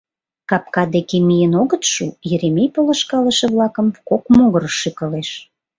Капка деке миен огыт шу — Еремей полышкалыше-влакым кок могырыш шӱкалеш.